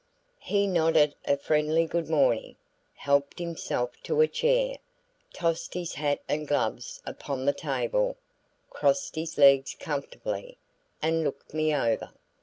He nodded a friendly good morning, helped himself to a chair, tossed his hat and gloves upon the table, crossed his legs comfortably, and looked me over.